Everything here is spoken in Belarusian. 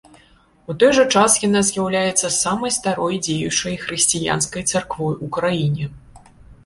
У той жа час яна з'яўляецца самай старой дзеючай хрысціянскай царквой у краіне.